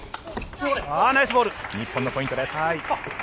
日本のポイントです。